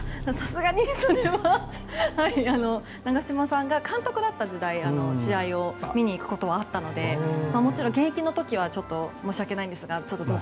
それは長嶋さんが監督だった時代に試合を見に行くことはあったのでもちろん現役の時は存じ上げないんですが。